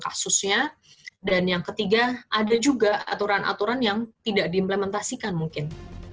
kasusnya dan yang ketiga ada juga aturan aturan yang tidak diimplementasikan mungkin